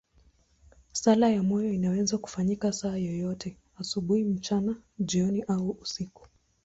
Sala ya moyo inaweza kufanyika saa yoyote, asubuhi, mchana, jioni au usiku.